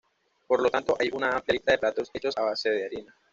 Por lo tanto hay una amplia lista de platos hechos a base de harina.